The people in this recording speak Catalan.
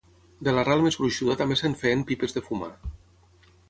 de l'arrel més gruixuda també se'n feien pipes de fumar